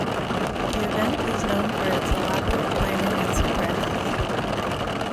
The event is known for its elaborate planning and surprises.